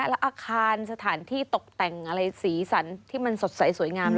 แล้วอาคารสถานที่ตกแต่งอะไรสีสันที่มันสดใสสวยงาม